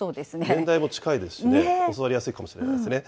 年代も近いですしね、教わりやすいかもしれないですね。